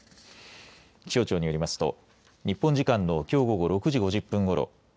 気象庁によりますと、日本時間のきょう午後６時５０分ごろ